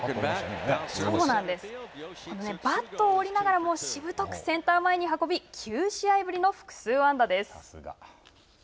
バットを折りながらもしぶとくセンター前に運び９試合ぶりの複数安打です。